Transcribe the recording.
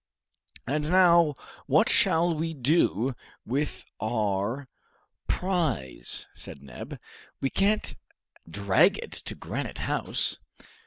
"And now, what shall we do with our prize?" said Neb. "We can't drag it to Granite House!"